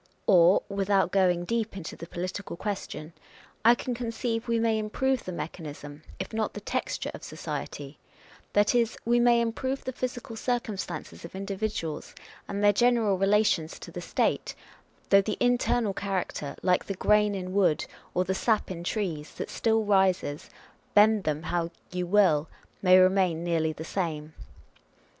Or (without going deep into the political question) I con ceive we may improve the mechanism, if not the texture of society ; that is, we may improve the physical circum stances of individuals and their general relations to the State, though the internal character, like the grain in wood, or the sap in trees, that still rises, bend them how you will, may remain nearly the same.